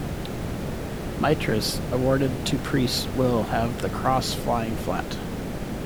Mitres awarded to priests will have the cross lying flat.